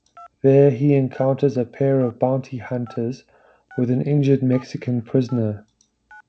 There, he encounters a pair of bounty hunters with an injured Mexican prisoner.